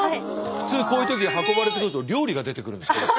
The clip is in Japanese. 普通こういう時運ばれてくると料理が出てくるんですけど。